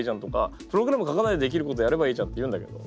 プログラム書かないでできることやればいいじゃんって言うんだけど。